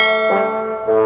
nih bolok ke dalam